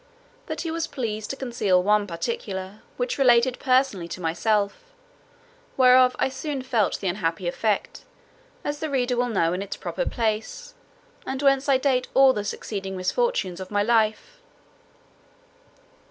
But he was pleased to conceal one particular, which related personally to myself, whereof I soon felt the unhappy effect, as the reader will know in its proper place, and whence I date all the succeeding misfortunes of my life.